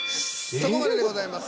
そこまででございます。